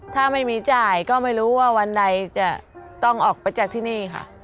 ถ้าไม่มีจ่ายก็ไม่รู้ว่าวันใดจะต้องออกไปจากที่นี่ค่ะ